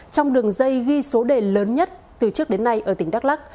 trong đường dây ghi số đề lớn nhất từ trước đến nay ở tỉnh đắk lắc